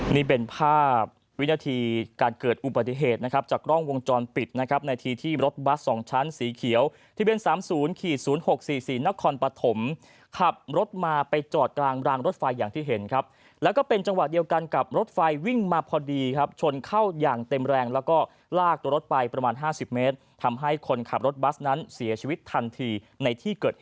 นี่เป็นภาพวินาทีการเกิดอุบัติเหตุนะครับจากกล้องวงจรปิดนะครับในทีที่รถบัส๒ชั้นสีเขียวทะเบียน๓๐๐๖๔๔นครปฐมขับรถมาไปจอดกลางรางรถไฟอย่างที่เห็นครับแล้วก็เป็นจังหวะเดียวกันกับรถไฟวิ่งมาพอดีครับชนเข้าอย่างเต็มแรงแล้วก็ลากตัวรถไปประมาณ๕๐เมตรทำให้คนขับรถบัสนั้นเสียชีวิตทันทีในที่เกิดเหตุ